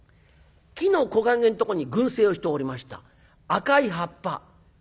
木の木陰んとこに群生をしておりました赤い葉っぱ。